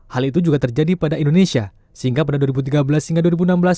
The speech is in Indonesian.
hal itu juga terjadi pada indonesia sehingga pada dua ribu tiga belas hingga dua ribu enam belas